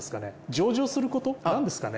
上場すること？なんですかね？